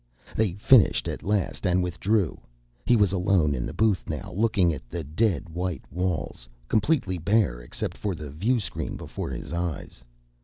They finished at last and withdrew. He was alone in the booth now, looking at the dead white walls, completely bare except for the viewscreen before his eyes.